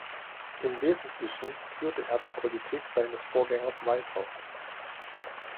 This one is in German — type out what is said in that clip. Im Wesentlichen führte er die Politik seines Vorgängers weiter.